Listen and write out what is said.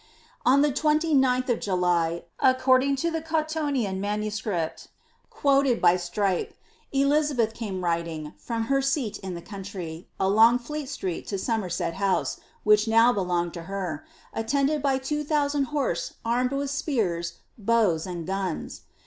On the 29th of July, according to the Cottonian MS., quoted by Strype, Elizabeth came riding, from her seat in tlie country, along Fleet street to Somerset House, which now belonged to her, attended by 2000 horse armed with spears, bows, and guns.